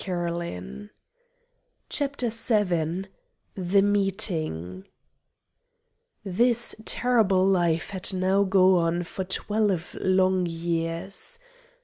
CHAPTER VII The Meeting This terrible life had now gone on for twelve long years.